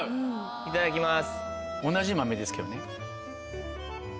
いただきます。